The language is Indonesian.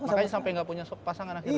makanya sampai gak punya pasangan akhirnya